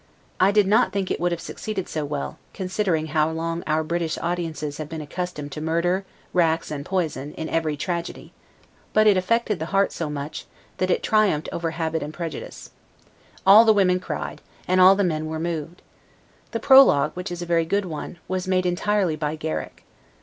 I did not think it would have succeeded so well, considering how long our British audiences have been accustomed to murder, racks, and poison, in every tragedy; but it affected the heart so much, that it triumphed over habit and prejudice. All the women cried, and all the men were moved. The prologue, which is a very good one, was made entirely by Garrick.